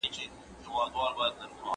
مغولو ته پکار وه چي خپل اقتصاد پیاوړی کړي.